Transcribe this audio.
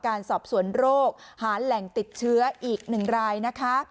การสอบสวนโรคหาแหล่งติดเชื้ออีกหนึ่งรายนะคะ